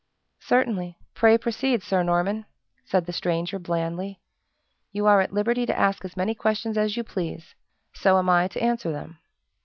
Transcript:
"Certainly; pray proceed, Sir Norman," said the stranger, blandly; "you are at liberty to ask as many questions as you please so am I to answer them."